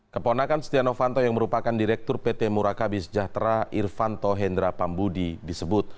keponakan stiano fanto yang merupakan direktur pt murakabi sejahtera irfanto hendra pambudi disebut